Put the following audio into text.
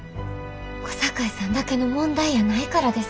小堺さんだけの問題やないからです。